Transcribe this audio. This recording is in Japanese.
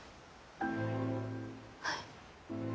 はい。